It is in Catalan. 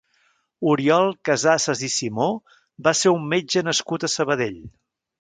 Oriol Casassas i Simó va ser un metge nascut a Sabadell.